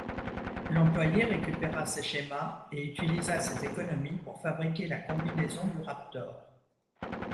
L'employé récupéra ses schémas et utilisa ses économies pour fabriquer la combinaison du Raptor.